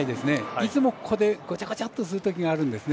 いつも、ここでごちゃごちゃっとするときがあるんですね。